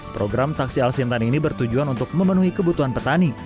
program taksi al sintan ini bertujuan untuk memenuhi kebutuhan petani